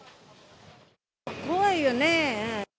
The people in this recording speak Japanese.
怖いよね。